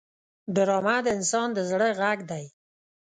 ډرامه د انسان د زړه غږ دی